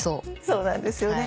そうなんですよね